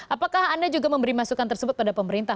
apakah anda juga memberi masukan tersebut pada pemerintah